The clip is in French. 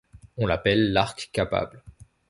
On l'appelle l'arc capable.